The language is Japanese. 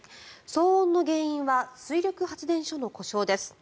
騒音の原因は水力発電所の故障です。